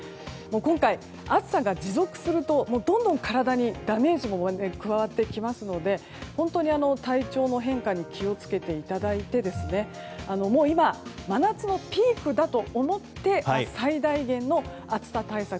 今回、暑さが持続するとどんどん体にダメージも加わってきますので本当に体調の変化に気を付けていただいて今、真夏のピークだと思って最大限の暑さ対策